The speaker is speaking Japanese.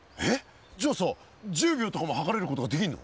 じゃあさ１０秒とかも計れることができるの？